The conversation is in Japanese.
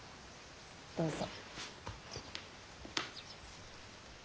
どうぞ。